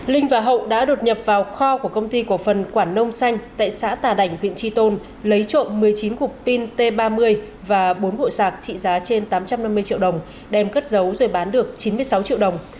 linh và hậu đã đột nhập vào kho của công ty cổ phần quản nông xanh tại xã tà đảnh huyện tri tôn lấy trộm một mươi chín cục pin t ba mươi và bốn bộ sạc trị giá trên tám trăm năm mươi triệu đồng đem cất giấu rồi bán được chín mươi sáu triệu đồng